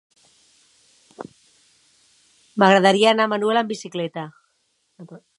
M'agradaria anar a Manuel amb bicicleta.